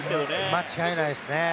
間違いないですね。